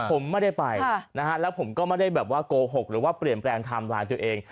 ผมไม่ได้ไปนะฮะแล้วผมก็ไม่ได้แบบว่าโกหกหรือว่าเปลี่ยนแปลงไทม์ไลน์ตัวเอง